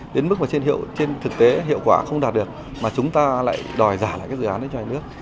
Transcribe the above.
đến mức mà trên thực tế hiệu quả không đạt được mà chúng ta lại đòi giả lại cái dự án này cho nhà nước